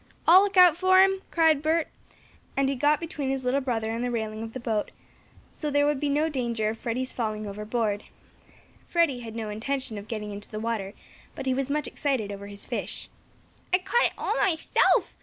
"I'll look out for him!" cried Bert, and he got between his little brother and the railing of the boat, so there would be no danger of Freddie's falling overboard. Freddie had no intention of getting into the water, but he was much excited over his fish. "I caught it all myself!"